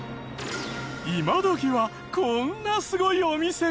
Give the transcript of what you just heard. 今どきはこんなすごいお店が！